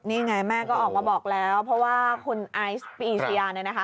นี่ไงแม่ก็ออกมาบอกแล้วเพราะว่าคุณไอสปีเซียน